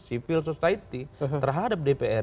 sivil sosialitas terhadap dpr